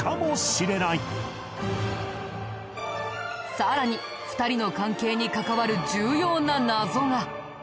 さらに２人の関係に関わる重要な謎が。